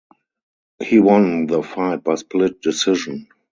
He won the fight by split decision.